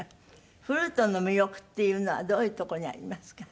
フルートの魅力っていうのはどういうとこにありますか？